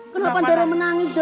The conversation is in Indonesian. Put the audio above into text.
kenapa doro menangis doro